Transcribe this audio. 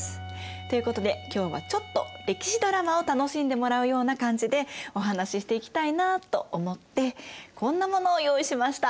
ということで今日はちょっと歴史ドラマを楽しんでもらうような感じでお話ししていきたいなあと思ってこんなものを用意しました。